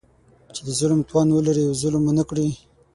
چې د ظلم توان ولري او ظلم ونه کړي.